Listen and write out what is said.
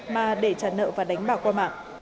mà để trả nợ và đánh bảo qua mạng